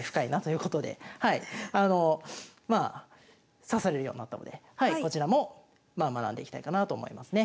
まあ指されるようになったのでこちらも学んでいきたいかなと思いますね。